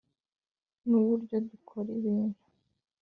nuburyo dukora ibintu.